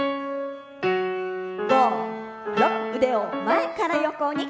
腕を前から横に。